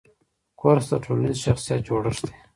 کورس د ټولنیز شخصیت جوړښت دی.